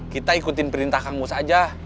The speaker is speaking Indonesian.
kita ikutin perintah kang mus aja